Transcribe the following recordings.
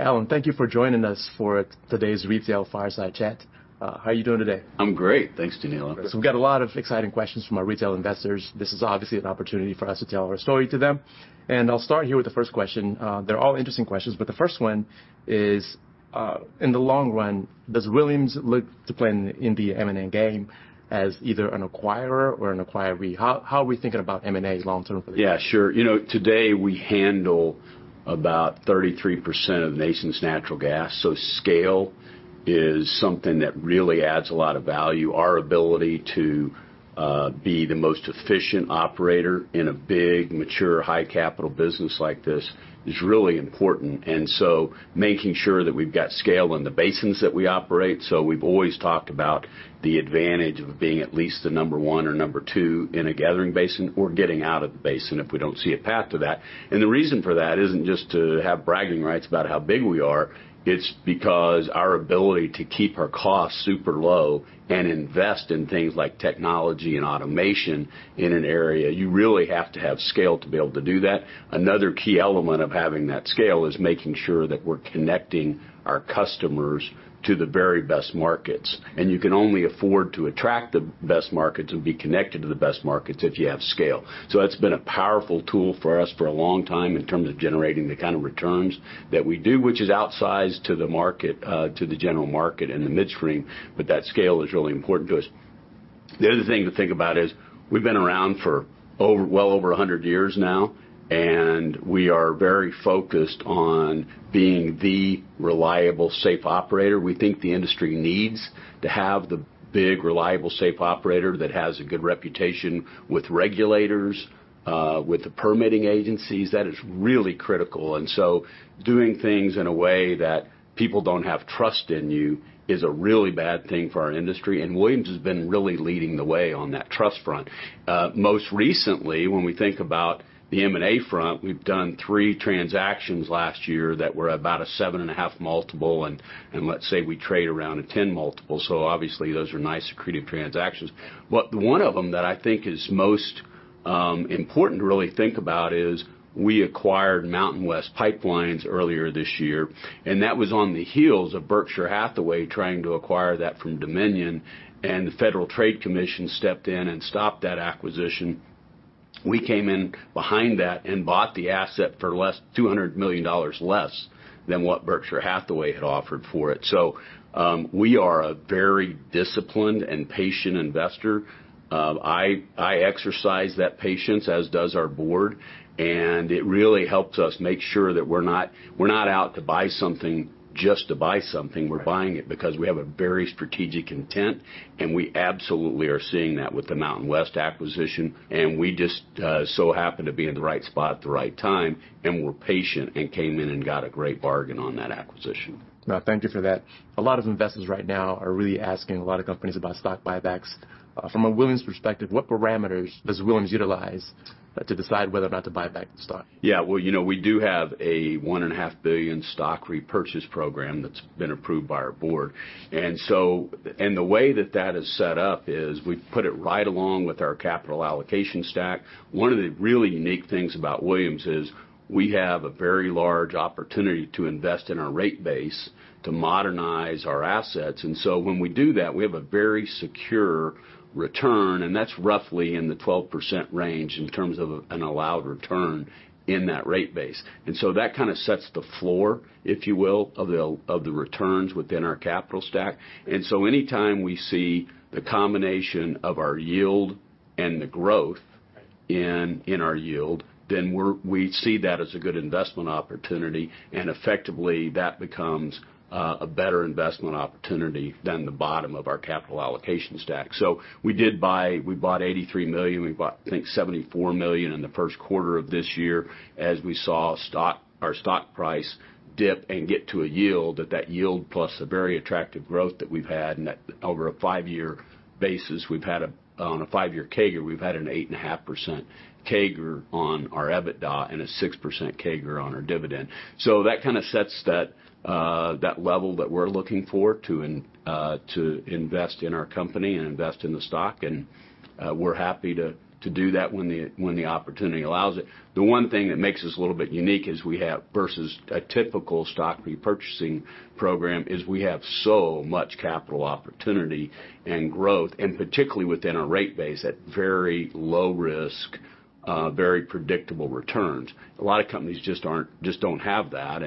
Alan, thank you for joining us for today's retail fireside chat. How are you doing today? I'm great. Thanks, Danilo. We've got a lot of exciting questions from our retail investors. This is obviously an opportunity for us to tell our story to them. I'll start here with the first question. They're all interesting questions, but the first one is in the long run, does Williams look to play in the M&A game as either an acquirer or an acquiree? How are we thinking about M&A long term for this? Sure. You know, today we handle about 33% of the nation's natural gas. Scale is something that really adds a lot of value. Our ability to be the most efficient operator in a big, mature, high capital business like this is really important. Making sure that we've got scale in the basins that we operate. We've always talked about the advantage of being at least the number one or number two in a gathering basin or getting out of the basin if we don't see a path to that. The reason for that isn't just to have bragging rights about how big we are. It's because our ability to keep our costs super low and invest in things like technology and automation in an area, you really have to have scale to be able to do that. Another key element of having that scale is making sure that we're connecting our customers to the very best markets. You can only afford to attract the best markets and be connected to the best markets if you have scale. That's been a powerful tool for us for a long time in terms of generating the kind of returns that we do, which is outsized to the market, to the general market in the midstream, but that scale is really important to us. The other thing to think about is we've been around for over, well over 100 years now, and we are very focused on being the reliable, safe operator. We think the industry needs to have the big, reliable, safe operator that has a good reputation with regulators, with the permitting agencies. That is really critical. Doing things in a way that people don't have trust in you is a really bad thing for our industry. Williams has been really leading the way on that trust front. Most recently, when we think about the M&A front, we've done three transactions last year that were about a 7.5 multiple. Let's say we trade around a 10 multiple. Obviously, those are nice accretive transactions. One of them that I think is most important to really think about is we acquired MountainWest Pipelines earlier this year, and that was on the heels of Berkshire Hathaway trying to acquire that from Dominion. The Federal Trade Commission stepped in and stopped that acquisition. We came in behind that and bought the asset for less, $200 million less than what Berkshire Hathaway had offered for it. We are a very disciplined and patient investor. I exercise that patience, as does our board, and it really helps us make sure that we're not out to buy something just to buy something. Right. We're buying it because we have a very strategic intent, and we absolutely are seeing that with the MountainWest acquisition. We just, so happen to be in the right spot at the right time, and we're patient and came in and got a great bargain on that acquisition. No, thank you for that. A lot of investors right now are really asking a lot of companies about stock buybacks. From a Williams perspective, what parameters does Williams utilize to decide whether or not to buy back the stock? Well, you know, we do have a one and a half billion stock repurchase program that's been approved by our board. The way that that is set up is we've put it right along with our capital allocation stack. One of the really unique things about Williams is we have a very large opportunity to invest in our rate base to modernize our assets. When we do that, we have a very secure return, and that's roughly in the 12% range in terms of an allowed return in that rate base. That kind of sets the floor, if you will, of the, of the returns within our capital stack. Anytime we see the combination of our yield and the growth- Right. in our yield, then we see that as a good investment opportunity. Effectively, that becomes a better investment opportunity than the bottom of our capital allocation stack. We bought $83 million. We bought, I think, $74 million in the first quarter of this year, as we saw our stock price dip and get to a yield, that that yield plus a very attractive growth that we've had and that over a five-year basis, we've had a, on a five-year CAGR, we've had an 8.5% CAGR on our EBITDA and a 6% CAGR on our dividend. That kind of sets that level that we're looking for to invest in our company and invest in the stock. We're happy to do that when the opportunity allows it. The one thing that makes us a little bit unique versus a typical stock repurchasing program, is we have so much capital opportunity and growth, and particularly within our rate base at very low risk, very predictable returns. A lot of companies just don't have that.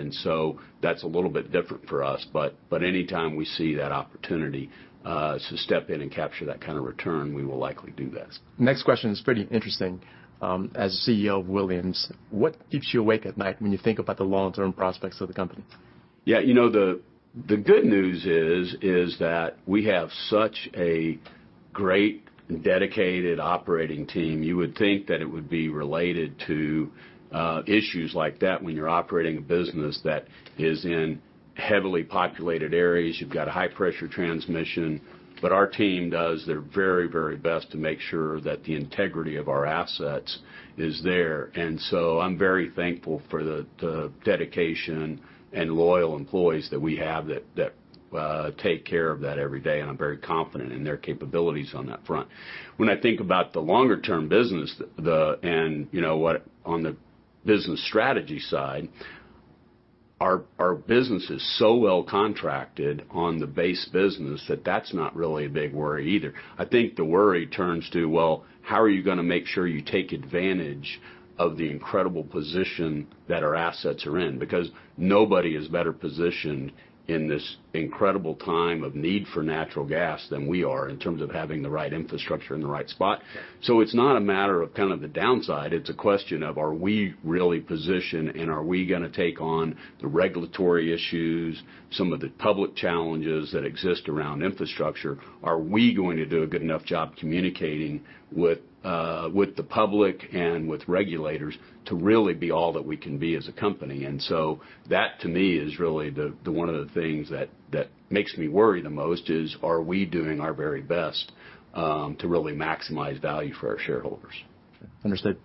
That's a little bit different for us. But anytime we see that opportunity to step in and capture that kind of return, we will likely do that. Next question is pretty interesting. As CEO of Williams, what keeps you awake at night when you think about the long-term prospects of the company? Yeah, you know, the good news is that we have such a great dedicated operating team. You would think that it would be related to issues like that when you're operating a business that is in heavily populated areas. You've got high-pressure transmission. Our team does their very, very best to make sure that the integrity of our assets is there. I'm very thankful for the dedication and loyal employees that we have that take care of that every day, and I'm very confident in their capabilities on that front. When I think about the longer term business, and you know what, on the business strategy side Our business is so well contracted on the base business that that's not really a big worry either. I think the worry turns to, well, how are you gonna make sure you take advantage of the incredible position that our assets are in? Nobody is better positioned in this incredible time of need for natural gas than we are in terms of having the right infrastructure in the right spot. It's not a matter of kind of the downside, it's a question of are we really positioned and are we gonna take on the regulatory issues, some of the public challenges that exist around infrastructure? Are we going to do a good enough job communicating with the public and with regulators to really be all that we can be as a company? That to me is really the one of the things that makes me worry the most is are we doing our very best to really maximize value for our shareholders? Understood.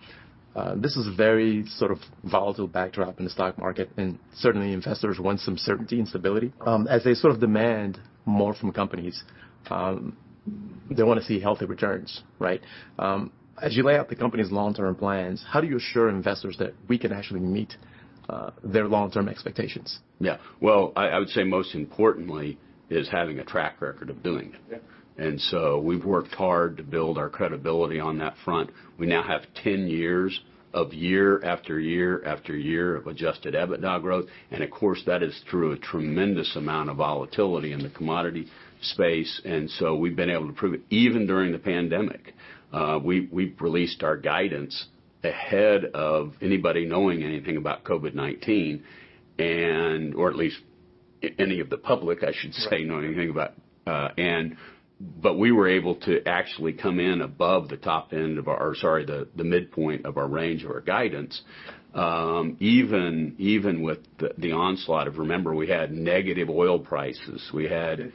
This is very sort of volatile backdrop in the stock market. Certainly investors want some certainty and stability. As they sort of demand more from companies, they wanna see healthy returns, right? As you lay out the company's long-term plans, how do you assure investors that we can actually meet, their long-term expectations? Well, I would say most importantly is having a track record of doing it. Yeah. We've worked hard to build our credibility on that front. We now have 10 years of year after year after year of adjusted EBITDA growth, and of course, that is through a tremendous amount of volatility in the commodity space. We've been able to prove it even during the pandemic. We've released our guidance ahead of anybody knowing anything about COVID-19 or at least any of the public, I should say. Right knowing anything about. We were able to actually come in above the top end of the midpoint of our range of our guidance, even with the onslaught of. Remember, we had negative oil prices. Yes. Had,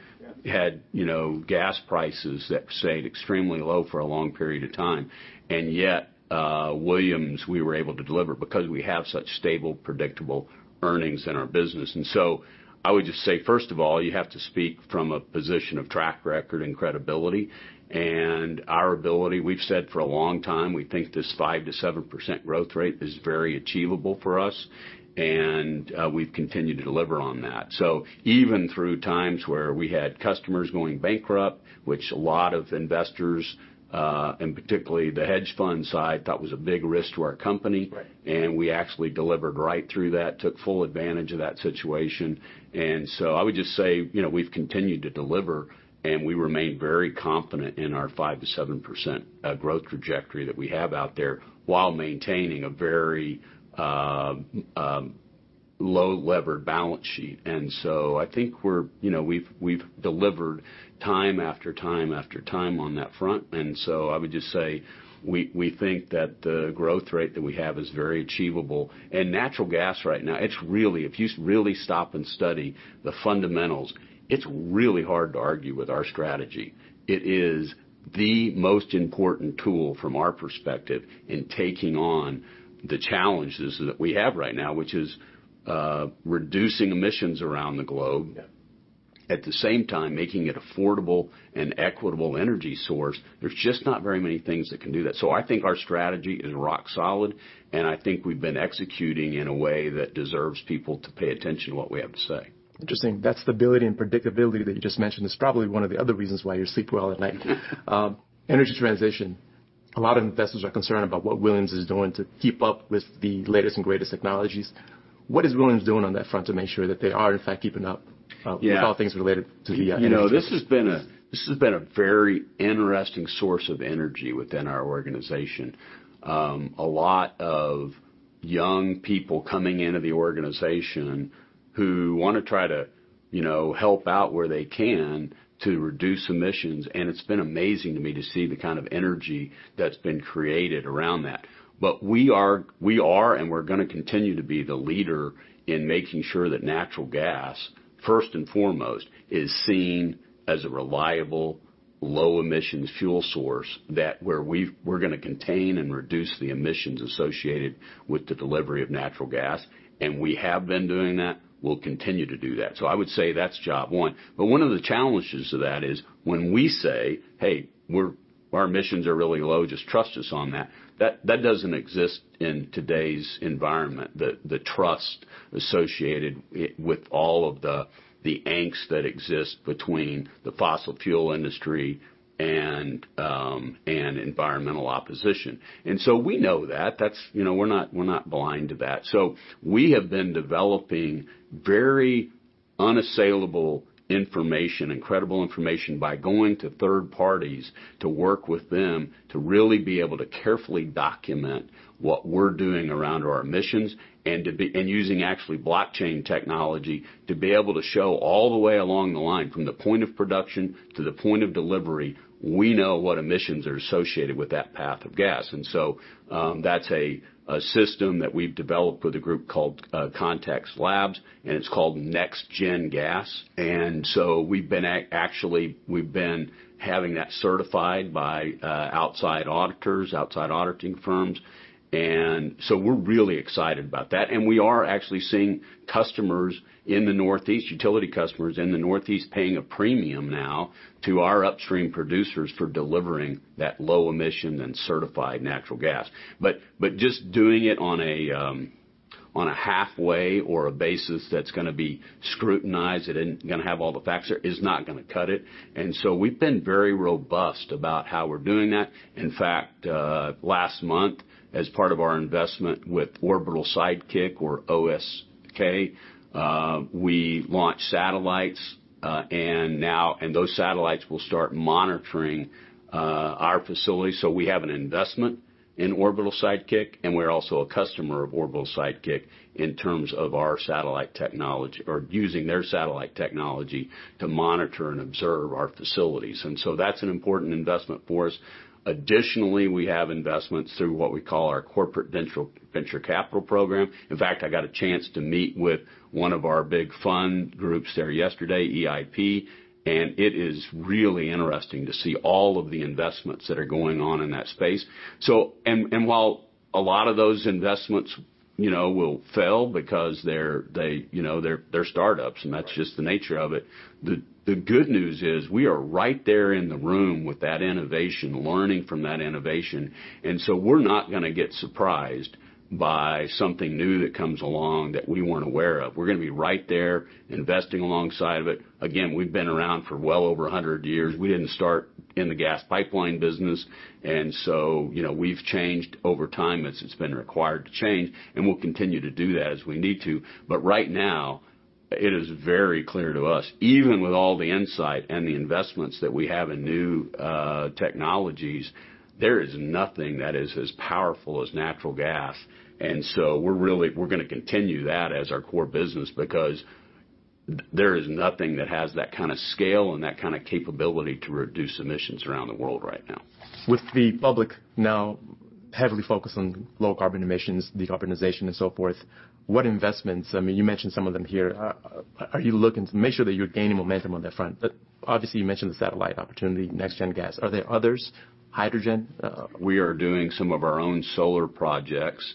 you know, gas prices that stayed extremely low for a long period of time. Yet, Williams, we were able to deliver because we have such stable, predictable earnings in our business. I would just say, first of all, you have to speak from a position of track record and credibility. Our ability, we've said for a long time, we think this 5% to 7% growth rate is very achievable for us, and we've continued to deliver on that. Even through times where we had customers going bankrupt, which a lot of investors, and particularly the hedge fund side, thought was a big risk to our company. Right. We actually delivered right through that, took full advantage of that situation. I would just say, you know, we've continued to deliver, and we remain very confident in our 5%-7% growth trajectory that we have out there, while maintaining a very low lever balance sheet. I think we're, you know, we've delivered time after time after time on that front. I would just say we think that the growth rate that we have is very achievable. Natural gas right now, it's really, if you really stop and study the fundamentals, it's really hard to argue with our strategy. It is the most important tool from our perspective in taking on the challenges that we have right now, which is reducing emissions around the globe. Yeah. At the same time, making it affordable and equitable energy source. There's just not very many things that can do that. I think our strategy is rock solid, and I think we've been executing in a way that deserves people to pay attention to what we have to say. Interesting. That stability and predictability that you just mentioned is probably one of the other reasons why you sleep well at night. Energy transition. A lot of investors are concerned about what Williams is doing to keep up with the latest and greatest technologies. What is Williams doing on that front to make sure that they are in fact keeping up? Yeah. With all things related to the energy transition? You know, this has been a, this has been a very interesting source of energy within our organization. A lot of young people coming into the organization who wanna try to, you know, help out where they can to reduce emissions, and it's been amazing to me to see the kind of energy that's been created around that. We are and we're gonna continue to be the leader in making sure that natural gas, first and foremost, is seen as a reliable, low-emissions fuel source we're gonna contain and reduce the emissions associated with the delivery of natural gas, and we have been doing that. We'll continue to do that. I would say that's job one. One of the challenges to that is when we say, "Hey, our emissions are really low, just trust us on that." That doesn't exist in today's environment, the trust associated with all of the angst that exists between the fossil fuel industry and environmental opposition. We know that. That's, you know, we're not blind to that. We have been developing very unassailable information and credible information by going to third parties to work with them to really be able to carefully document what we're doing around our emissions and using actually blockchain technology to be able to show all the way along the line, from the point of production to the point of delivery, we know what emissions are associated with that path of gas. That's a system that we've developed with a group called Context Labs, and it's called NextGen Gas. We've been actually, we've been having that certified by outside auditors, outside auditing firms. We're really excited about that. We are actually seeing customers in the Northeast, utility customers in the Northeast paying a premium now to our upstream producers for delivering that low emission and certified natural gas. Just doing it on a halfway or a basis that's gonna be scrutinized, it isn't gonna have all the facts there, is not gonna cut it. We've been very robust about how we're doing that. In fact, last month, as part of our investment with Orbital Sidekick or OSK, we launched satellites, and those satellites will start monitoring our facilities. We have an investment in Orbital Sidekick, and we're also a customer of Orbital Sidekick in terms of our satellite technology or using their satellite technology to monitor and observe our facilities. That's an important investment for us. Additionally, we have investments through what we call our corporate venture capital program. In fact, I got a chance to meet with one of our big fund groups there yesterday, EIP, and it is really interesting to see all of the investments that are going on in that space. While a lot of those investments, you know, will fail because they're, you know, they're startups, and that's just the nature of it. The good news is we are right there in the room with that innovation, learning from that innovation. We're not gonna get surprised by something new that comes along that we weren't aware of. We're gonna be right there investing alongside of it. Again, we've been around for well over 100 years. We didn't start in the gas pipeline business, you know, we've changed over time as it's been required to change, and we'll continue to do that as we need to. Right now, it is very clear to us, even with all the insight and the investments that we have in new technologies, there is nothing that is as powerful as natural gas. We're gonna continue that as our core business because there is nothing that has that kind of scale and that kind of capability to reduce emissions around the world right now. With the public now heavily focused on low carbon emissions, decarbonization, and so forth, what investments, I mean, you mentioned some of them here. Are you looking to make sure that you're gaining momentum on that front? Obviously, you mentioned the satellite opportunity, NextGen Gas. Are there others? Hydrogen? We are doing some of our own solar projects,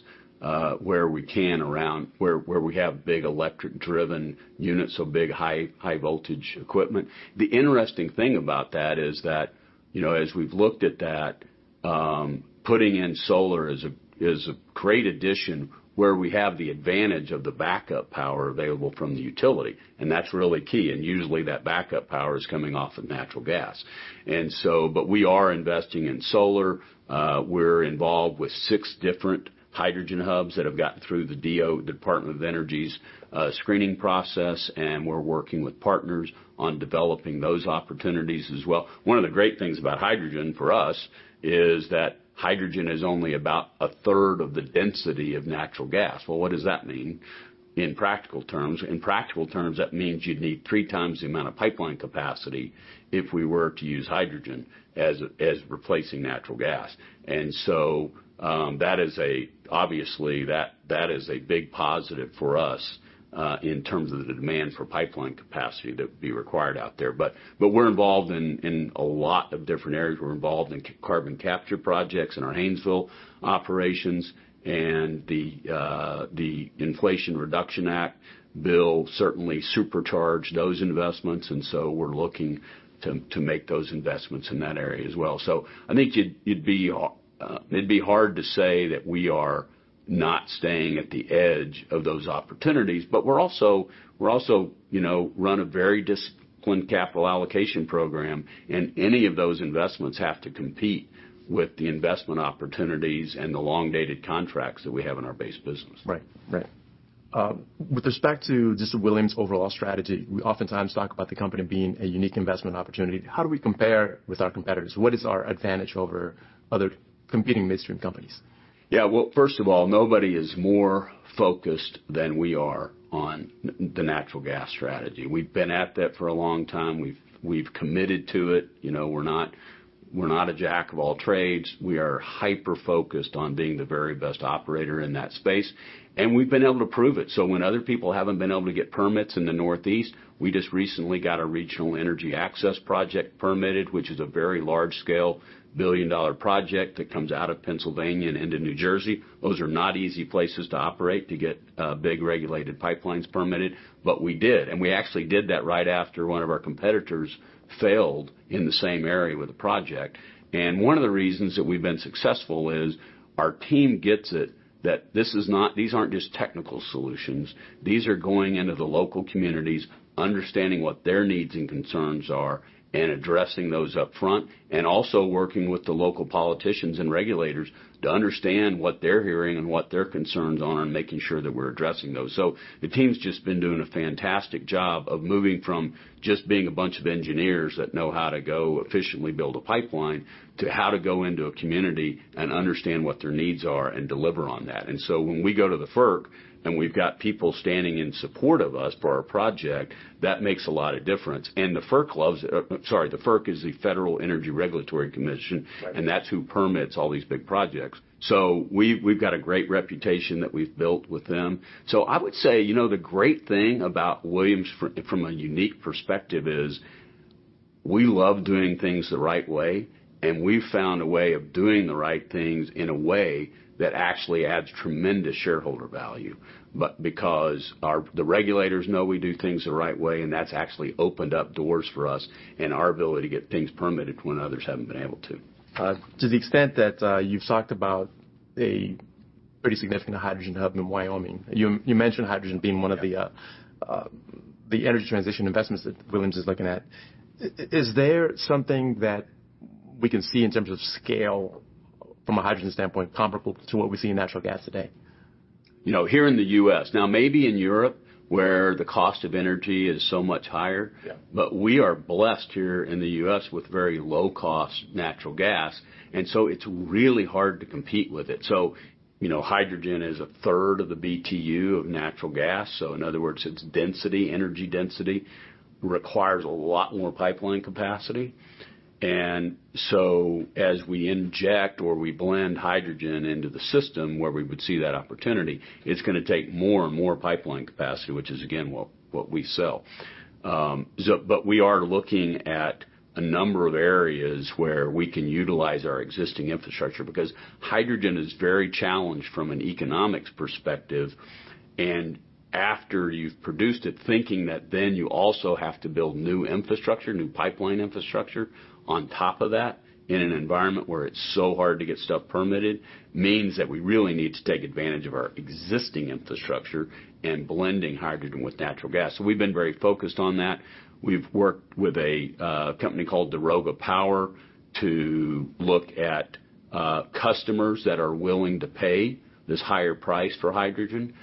where we can around where we have big electric-driven units, so big, high voltage equipment. The interesting thing about that is that, you know, as we've looked at that, putting in solar is a, is a great addition where we have the advantage of the backup power available from the utility, and that's really key, and usually, that backup power is coming off of natural gas. We are investing in solar. We're involved with six different hydrogen hubs that have gotten through the Department of Energy's screening process, and we're working with partners on developing those opportunities as well. One of the great things about hydrogen for us is that hydrogen is only about a third of the density of natural gas. Well, what does that mean in practical terms? In practical terms, that means you'd need three times the amount of pipeline capacity if we were to use hydrogen as replacing natural gas. Obviously, that is a big positive for us in terms of the demand for pipeline capacity that would be required out there. We're involved in a lot of different areas. We're involved in carbon capture projects in our Haynesville operations, and the Inflation Reduction Act bill certainly supercharged those investments, and so we're looking to make those investments in that area as well. I think you'd be, it'd be hard to say that we are not staying at the edge of those opportunities, but we're also, you know, run a very disciplined capital allocation program, and any of those investments have to compete with the investment opportunities and the long-dated contracts that we have in our base business. Right. Right. With respect to just Williams' overall strategy, we oftentimes talk about the company being a unique investment opportunity. How do we compare with our competitors? What is our advantage over other competing midstream companies? Well, first of all, nobody is more focused than we are on the natural gas strategy. We've been at that for a long time. We've committed to it. You know, we're not, we're not a jack of all trades. We are hyper-focused on being the very best operator in that space, and we've been able to prove it. When other people haven't been able to get permits in the Northeast, we just recently got a Regional Energy Access project permitted, which is a very large-scale billion-dollar project that comes out of Pennsylvania and into New Jersey. Those are not easy places to operate to get big regulated pipelines permitted, but we did. We actually did that right after one of our competitors failed in the same area with a project. One of the reasons that we've been successful is our team gets it, that these aren't just technical solutions. These are going into the local communities, understanding what their needs and concerns are, and addressing those up front, and also working with the local politicians and regulators to understand what they're hearing and what their concerns are and making sure that we're addressing those. The team's just been doing a fantastic job of moving from just being a bunch of engineers that know how to go efficiently build a pipeline to how to go into a community and understand what their needs are and deliver on that. When we go to the FERC, and we've got people standing in support of us for our project, that makes a lot of difference. The FERC is the Federal Energy Regulatory Commission. Right. That's who permits all these big projects. We've got a great reputation that we've built with them. I would say, you know, the great thing about Williams from a unique perspective is we love doing things the right way, and we've found a way of doing the right things in a way that actually adds tremendous shareholder value. Because the regulators know we do things the right way, and that's actually opened up doors for us and our ability to get things permitted when others haven't been able to. To the extent that you've talked about Pretty significant hydrogen hub in Wyoming. You mentioned hydrogen being one of the energy transition investments that Williams is looking at. Is there something that we can see in terms of scale from a hydrogen standpoint comparable to what we see in natural gas today? You know, here in the U.S., now maybe in Europe, where the cost of energy is so much higher. Yeah We are blessed here in the U.S. with very low-cost natural gas. It's really hard to compete with it. You know, hydrogen is a third of the BTU of natural gas, so in other words, its density, energy density requires a lot more pipeline capacity. As we inject or we blend hydrogen into the system where we would see that opportunity, it's gonna take more and more pipeline capacity, which is again, what we sell. We are looking at a number of areas where we can utilize our existing infrastructure because hydrogen is very challenged from an economics perspective. After you've produced it, thinking that then you also have to build new infrastructure, new pipeline infrastructure on top of that in an environment where it's so hard to get stuff permitted, means that we really need to take advantage of our existing infrastructure and blending hydrogen with natural gas. We've been very focused on that. We've worked with a company called Daroga Power to look at customers that are willing to pay this higher price for hydrogen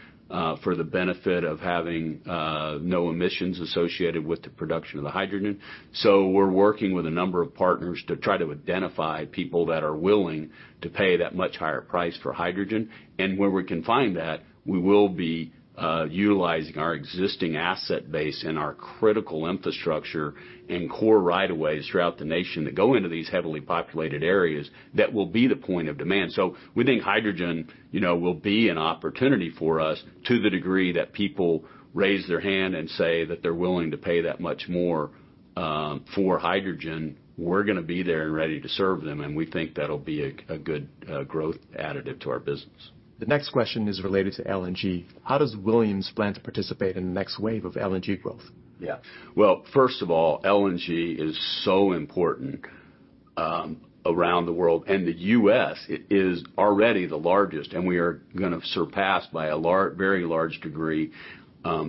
for the benefit of having no emissions associated with the production of the hydrogen. We're working with a number of partners to try to identify people that are willing to pay that much higher price for hydrogen. Where we can find that, we will be utilizing our existing asset base and our critical infrastructure and core right of ways throughout the nation that go into these heavily populated areas that will be the point of demand. We think hydrogen, you know, will be an opportunity for us to the degree that people raise their hand and say that they're willing to pay that much more for hydrogen, we're gonna be there and ready to serve them, and we think that'll be a good growth additive to our business. The next question is related to LNG. How does Williams plan to participate in the next wave of LNG growth? Well, first of all, LNG is so important, around the world. The U.S. is already the largest, and we are gonna surpass by a very large degree,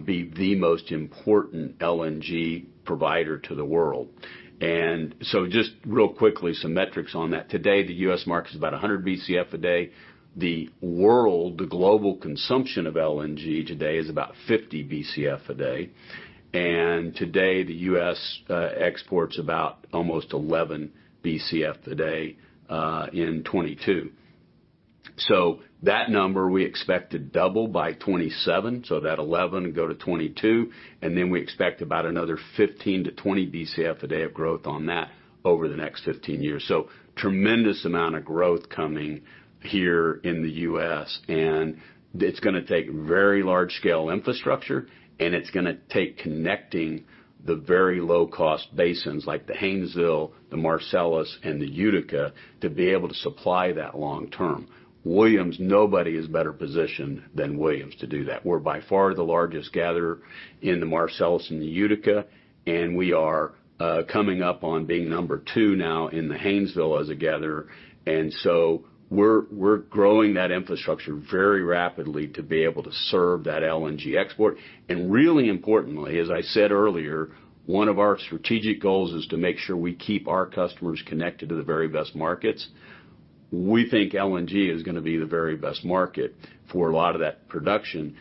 be the most important LNG provider to the world. Just real quickly, some metrics on that. Today, the U.S. market is about 100 BCF a day. The world, the global consumption of LNG today is about 50 BCF a day. Today, the U.S. exports about almost 11 BCF today, in 2022. That number we expect to double by 2027, so that 11 go to 22, and then we expect about another 15-20 BCF a day of growth on that over the next 15 years. Tremendous amount of growth coming here in the U.S., and it's gonna take very large-scale infrastructure, and it's gonna take connecting the very low-cost basins like the Haynesville, the Marcellus, and the Utica to be able to supply that long term. Williams, nobody is better positioned than Williams to do that. We're by far the largest gatherer in the Marcellus and the Utica, and we are coming up on being number two now in the Haynesville as a gatherer. We're growing that infrastructure very rapidly to be able to serve that LNG export. Really importantly, as I said earlier, one of our strategic goals is to make sure we keep our customers connected to the very best markets. We think LNG is gonna be the very best market for a lot of that production.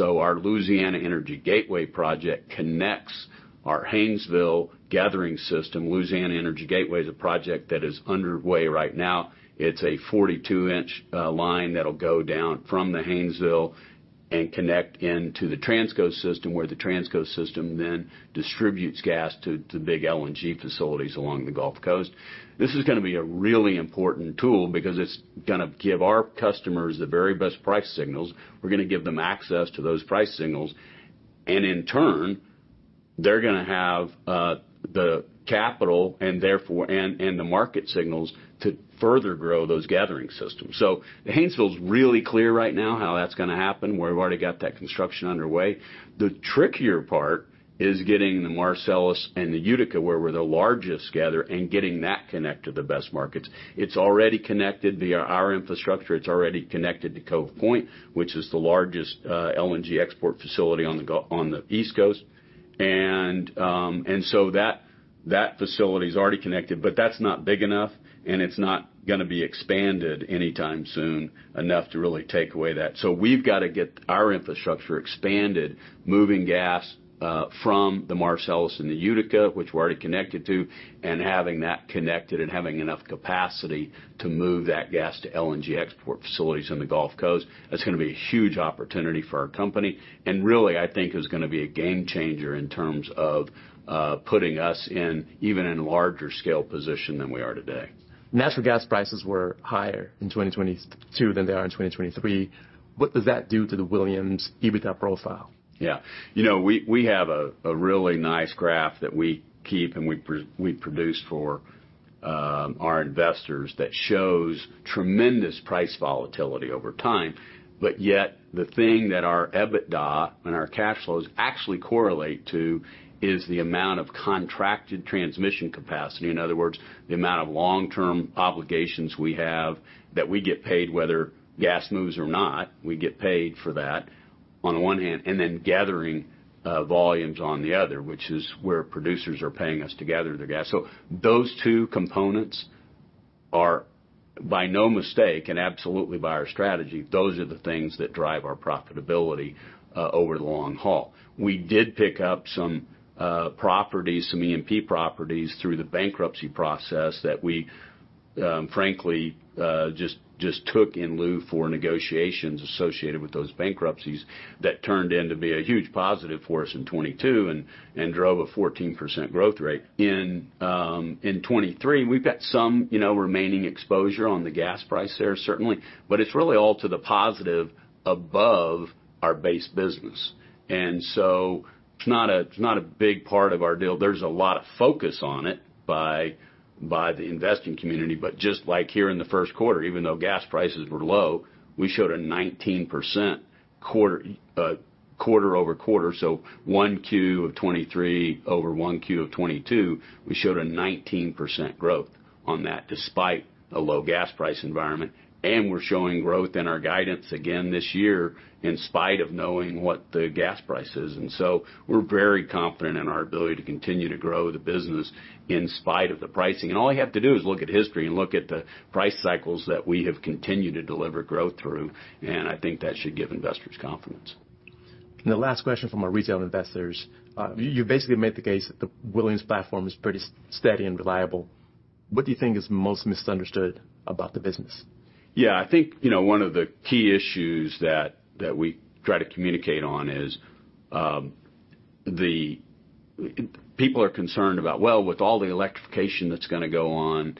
Our Louisiana Energy Gateway project connects our Haynesville gathering system. Louisiana Energy Gateway is a project that is underway right now. It's a 42 in line that'll go down from the Haynesville and connect into the Transco system, where the Transco system then distributes gas to big LNG facilities along the Gulf Coast. This is gonna be a really important tool because it's gonna give our customers the very best price signals. We're gonna give them access to those price signals. In turn, they're gonna have the capital and the market signals to further grow those gathering systems. The Haynesville's really clear right now how that's gonna happen. We've already got that construction underway. The trickier part is getting the Marcellus and the Utica, where we're the largest gather, and getting that connect to the best markets. It's already connected via our infrastructure. It's already connected to Cove Point, which is the largest LNG export facility on the East Coast. That facility is already connected, but that's not big enough, and it's not gonna be expanded anytime soon enough to really take away that. We've got to get our infrastructure expanded, moving gas from the Marcellus and the Utica, which we're already connected to, and having that connected and having enough capacity to move that gas to LNG export facilities in the Gulf Coast. That's gonna be a huge opportunity for our company. Really, I think is gonna be a game changer in terms of putting us in even in larger scale position than we are today. Natural gas prices were higher in 2022 than they are in 2023. What does that do to the Williams EBITDA profile? You know, we have a really nice graph that we keep and we produce for our investors that shows tremendous price volatility over time. Yet the thing that our EBITDA and our cash flows actually correlate to is the amount of contracted transmission capacity. In other words, the amount of long-term obligations we have that we get paid whether gas moves or not, we get paid for that. On the one hand, gathering volumes on the other, which is where producers are paying us to gather their gas. Those two components are by no mistake and absolutely by our strategy, those are the things that drive our profitability over the long haul. We did pick up some properties, some E&P properties through the bankruptcy process that we, frankly, just took in lieu for negotiations associated with those bankruptcies that turned in to be a huge positive for us in 2022 and drove a 14% growth rate. In 2023, we've got some, you know, remaining exposure on the gas price there, certainly, but it's really all to the positive above our base business. It's not a, it's not a big part of our deal. There's a lot of focus on it by the investing community. Just like here in the first quarter, even though gas prices were low, we showed a 19% quarter-over-quarter. Q1 of 2023 over Q1 of 2022, we showed a 19% growth on that despite a low gas price environment. We're showing growth in our guidance again this year in spite of knowing what the gas price is. We're very confident in our ability to continue to grow the business in spite of the pricing. All you have to do is look at history and look at the price cycles that we have continued to deliver growth through, and I think that should give investors confidence. The last question from our retail investors. You basically made the case that the Williams platform is pretty steady and reliable. What do you think is most misunderstood about the business? I think, you know, one of the key issues that we try to communicate on is, People are concerned about, well, with all the electrification that's gonna go on,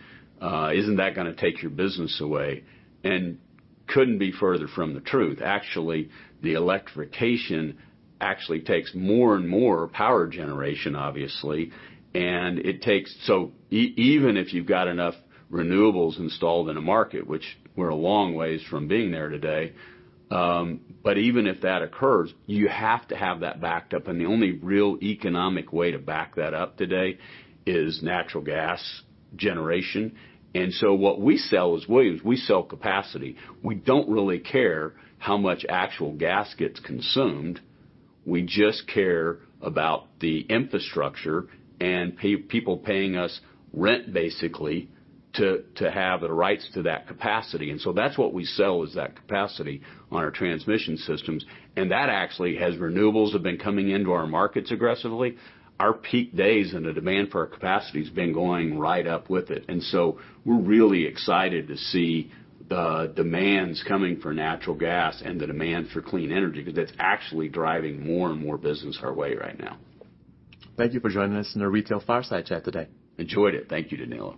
isn't that gonna take your business away? Couldn't be further from the truth. Actually, the electrification actually takes more and more power generation, obviously, even if you've got enough renewables installed in a market, which we're a long ways from being there today, even if that occurs, you have to have that backed up. The only real economic way to back that up today is natural gas generation. What we sell as Williams, we sell capacity. We don't really care how much actual gas gets consumed. We just care about the infrastructure and people paying us rent basically to have the rights to that capacity. That's what we sell is that capacity on our transmission systems. That actually, as renewables have been coming into our markets aggressively, our peak days and the demand for our capacity has been going right up with it. We're really excited to see the demands coming for natural gas and the demand for clean energy, because it's actually driving more and more business our way right now. Thank you for joining us in our retail fireside chat today. Enjoyed it. Thank you, Danilo.